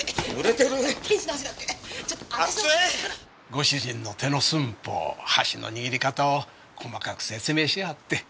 ご主人の手の寸法箸の握り方を細かく説明しはって。